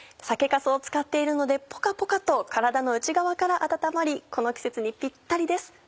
酒粕を使っているのでポカポカと体の内側から温まりこの季節にぴったりです